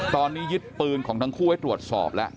ตอนนี้ยึดปืนของทั้งคู่ไว้ตรวจสอบแล้ว